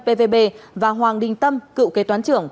pvb và hoàng đình tâm cựu kế toán trưởng